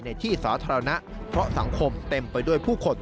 ในที่สาธารณะเพราะสังคมเต็มไปด้วยผู้คน